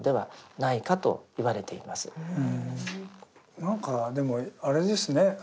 何かでもあれですね